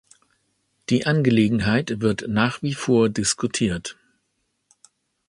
Die Angelegenheit wird nach wie vor diskutiert.